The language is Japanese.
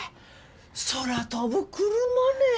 空飛ぶクルマね。